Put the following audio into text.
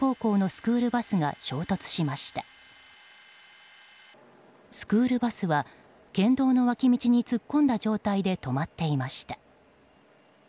スクールバスは県道の脇道に突っ込んだ状態で止まっていました。